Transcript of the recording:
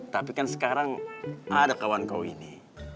tapi kan sekarang ada kawan kawan ini